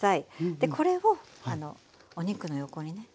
でこれをお肉の横にねちょっと。